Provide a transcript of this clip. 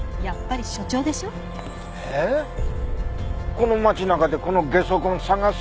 この街中でこのゲソ痕捜す気？